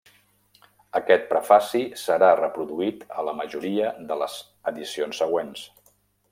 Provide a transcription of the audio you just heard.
Aquest prefaci serà reproduït a la majoria de les edicions següents.